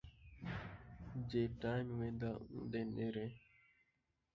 جیں ٹائم وینداں اوندے نیڑے